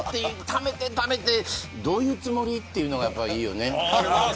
ためてためてどういうつもりっていうのがやっぱりいいよね。